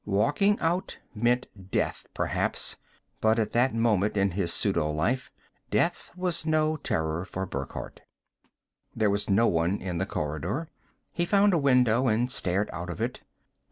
Walking out meant death, perhaps but at that moment in his pseudo life, death was no terror for Burckhardt. There was no one in the corridor. He found a window and stared out of it.